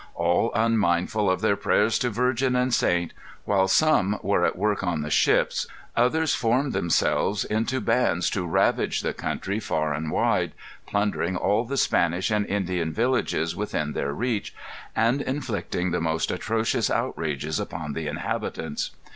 All unmindful of their prayers to Virgin and saint, while some were at work on the ships, others formed themselves into bands to ravage the country far and wide, plundering all the Spanish and Indian villages within their reach, and inflicting the most atrocious outrages upon the inhabitants.